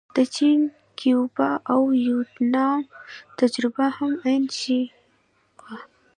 د چین، کیوبا او ویتنام تجربه هم عین شی وه.